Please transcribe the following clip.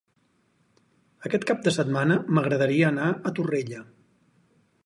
Aquest cap de setmana m'agradaria anar a Torrella.